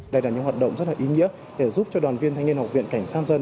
đây là những hoạt động rất là ý nghĩa để giúp cho đoàn viên thanh niên học viện cảnh sát dân